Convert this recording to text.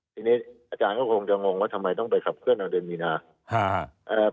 ทีนี้อาจารย์ก็คงจะงงว่าทำไมต้องไปขับเคลื่อนเอาเดือนมีนา